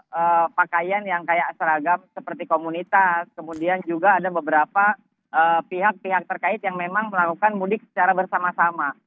ada pakaian yang kayak seragam seperti komunitas kemudian juga ada beberapa pihak pihak terkait yang memang melakukan mudik secara bersama sama